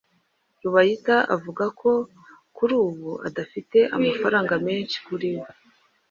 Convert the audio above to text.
Rubayita avuga ko kuri ubu adafite amafaranga menshi kuri we.